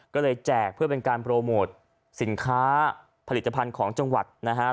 ก็เลยแจกเพื่อเป็นการโปรโมทสินค้าผลิตภัณฑ์ของจังหวัดนะฮะ